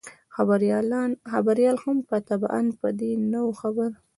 خبریال هم طبعاً په دې نه وو خبر.